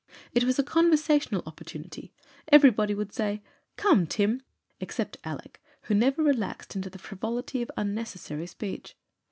It was a conversational opportunity: everybody could say, "Come, Tim" except Alick, who never relaxed into the frivolity of unnecessary speech.